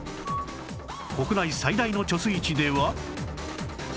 国内最大の貯水池では